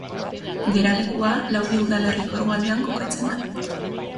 Geralekua Laudio udalerriko hegoaldean kokatzen da.